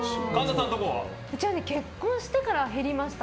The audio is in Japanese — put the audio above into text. うちは結婚してから減りました。